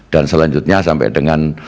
dan selanjutnya sampai dengan